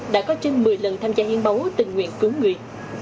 đã có trên một mươi lần tham gia hiến máu tình nguyện cứu người